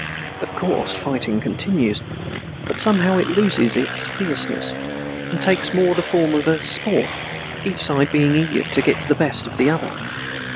Of course, fighting continues, but somehow it loses its fierceness and takes more the form of a sport, each side being eager to get the best of the other.